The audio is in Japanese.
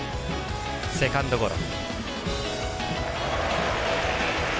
セカンドゴロ。